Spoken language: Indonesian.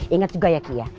ingat juga ya kiya